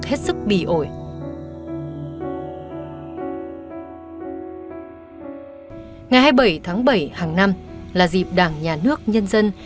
hết sức bì ổi ngày hai mươi bảy tháng bảy hàng năm là dịp đảng nhà nước nhân dân